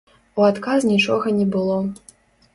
У адказ нічога не было.